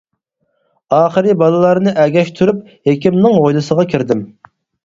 ئاخىرى بالىلارنى ئەگەشتۈرۈپ ھېكىمنىڭ ھويلىسىغا كىردىم.